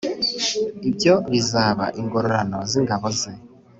ibyo bizaba ingororano z ingabo ze